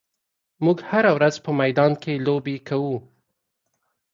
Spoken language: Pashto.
موږ هره ورځ په میدان کې لوبې کوو.